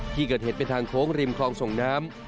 ที่เกิดเหตุเป็นทางโค้งริมคลองส่งน้ำ